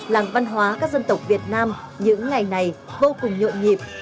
làng văn hóa các dân tộc việt nam những ngày này vô cùng nhộn nhịp